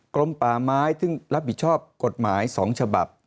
กรมป่าไม้ซึ่งรับผิดชอบกฎหมาย๒ฉบับ